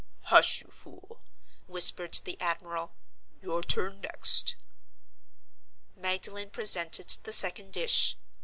"Hush! you fool," whispered the admiral. "Your turn next!" Magdalen presented the second dish.